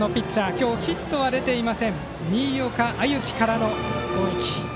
今日ヒットは出ていません新岡歩輝からの攻撃。